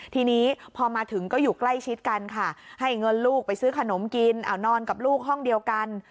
ทีนี้พอมาถึงก็อยู่ใกล้ชิดกันค่ะให้เงินลูกไปซื้อขนมกินเอานอนกับลูกห้องเดียวกัน